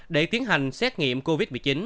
để tiến hành xét nghiệm covid một mươi chín